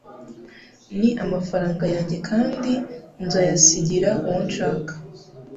Ni amafaranga yanjye kandi nzayasigira uwo nshaka